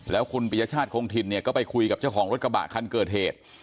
แล้วคุณปริยชาติคงถิ่นเนี่ยก็ไปคุยกับเจ้าของรถกระบะคันเกิดเหตุ